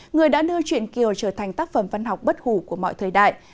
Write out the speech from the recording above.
người đã đưa chuyện kiều trở thành tác phẩm văn học bất hủ của mọi thời đại